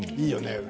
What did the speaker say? いいよね。